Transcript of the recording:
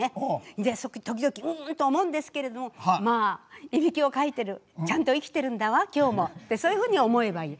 で時々ううっと思うんですけれどもまあいびきをかいてるちゃんと生きてるんだわ今日もってそういうふうに思えばいい。